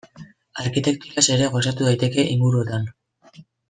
Arkitekturaz ere gozatu daiteke inguruotan.